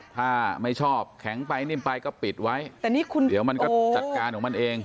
ถ้าไม่ชอบแข็งไปนิ่มไปก็ปิดไว้แต่นี่คุณเดี๋ยวมันก็จัดการของมันเอง